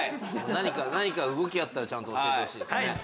何か何か動きあったらちゃんと教えてほしいですね。